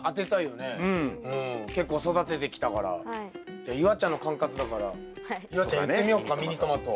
じゃあ夕空ちゃんの管轄だから夕空ちゃん言ってみようかミニトマト。